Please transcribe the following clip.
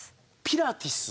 ピラティス？